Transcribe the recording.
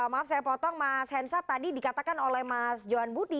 maaf saya potong mas hensat tadi dikatakan oleh mas johan budi